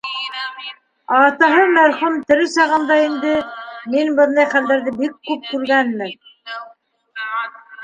Ә атаһы мәрхүм тере сағында инде, мин бындай хәлдәрҙе бик күп күргәнмен.